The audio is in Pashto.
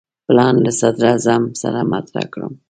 پلان له صدراعظم سره مطرح کړم.